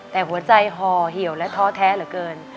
แต่หัวใจห่อเหี่ยวและท้อแท้เหลือเกิน